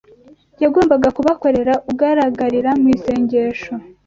yagombaga kubakorera ugaragarira mu isengesho